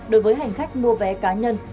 đối với hành khách mua vé cá nhân